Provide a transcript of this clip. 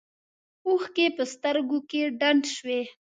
اوښکې په سترګو کې ډنډ شوې.